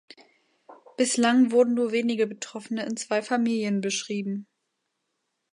Bislang wurden nur wenige Betroffene in zwei Familien beschrieben.